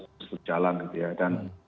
terus berjalan gitu ya dan